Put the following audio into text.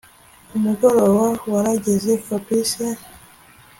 umugoroba warageze Fabric